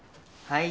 はい。